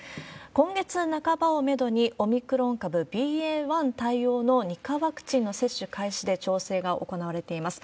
今月半ばをメドに、オミクロン株、ＢＡ．１対応の２価ワクチンの接種開始で調整が行われています。